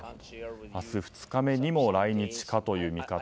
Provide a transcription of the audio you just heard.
明日２日目にも来日かという見方。